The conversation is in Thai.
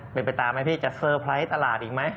เป็นไปตามไหมพี่จะเตอร์ไพรส์ตลาดอีกไหม